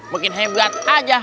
makin hebat aja